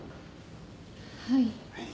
はい。